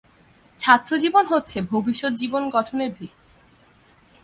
ছাত্রজীবন হচ্ছে ভবিষ্যত জীবন গঠনের ভিত।